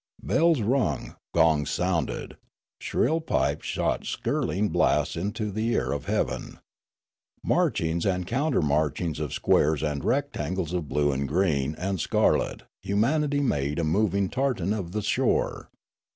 Bells rung, gongs sounded, shrill pipes shot skirling blasts into the ear of heaven. Marchings and countermarchings of squares and rectangles of blue and green and scarlet humanity made a moving tartan of the shore.